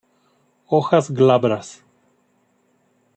Hojas glabras.